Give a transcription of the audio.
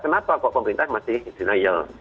kenapa kok pemerintah masih denial